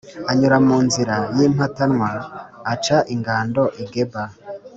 Anyura mu nzira y’impatanwa, aca ingando i Geba.